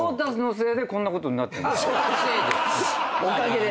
おかげで。